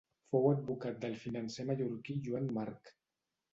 Fou advocat del financer mallorquí Joan March.